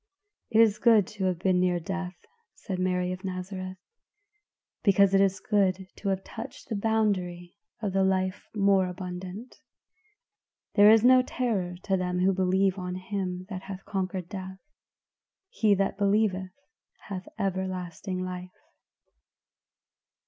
"It is good to have been near death," said Mary of Nazareth, "because it is good to have touched the boundary of the life more abundant. There is no terror to them that believe on him that hath conquered death; 'he that believeth hath everlasting life.